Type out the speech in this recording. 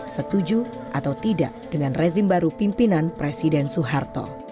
setuju atau tidak dengan rezim baru pimpinan presiden soeharto